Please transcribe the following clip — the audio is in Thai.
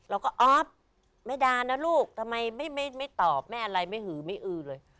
เราก็อ๊อฟไม่ด่านะลูกทำไมไม่ตอบไม่อะไรไม่หือไม่อือเลย